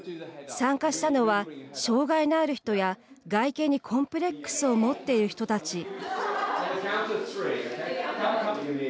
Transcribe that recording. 参加したのは、障害のある人や外見にコンプレックスを持っている人たち。